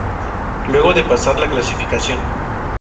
Luego de pasar la clasificación.